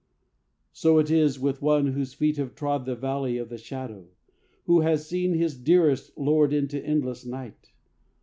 "So is it as with one whose feet have trod The valley of the shadow, who has seen His dearest lowered into endless night.